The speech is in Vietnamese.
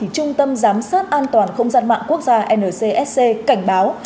trung tâm giám sát an toàn không gian mạng quốc gia ncsc cảnh báo